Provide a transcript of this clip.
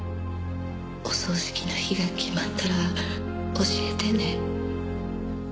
お葬式の日が決まったら教えてね。